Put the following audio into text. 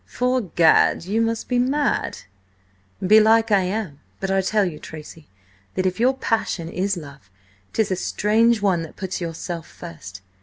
'Fore Gad, you must be mad!" "Belike I am; but I tell you, Tracy, that if your passion is love, 'tis a strange one that puts yourself first.